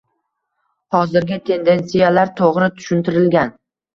Hozirgi tendentsiyalar to'g'ri tushuntirilgan